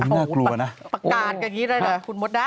น่ากลัวนะโอ้โฮประกาศกันอย่างนี้ได้เลยหรือ